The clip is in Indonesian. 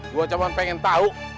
gua cuman pengen tau